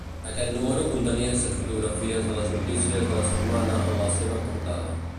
Aquest número contenia set fotografies de les notícies de la setmana en la seva portada.